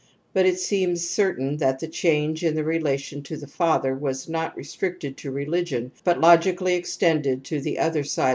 But it seem s certain that the change in the relation to the fatHer was not restricted to religion but logically extended to the other side.